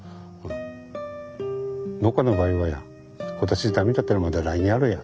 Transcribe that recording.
農家の場合はや今年駄目だったらまた来年あるやと。